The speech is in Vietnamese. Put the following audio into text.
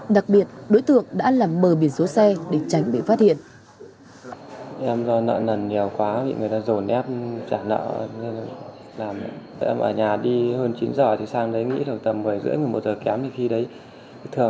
đặc biệt đối tượng đã làm mờ biển số xe để tránh bị phát hiện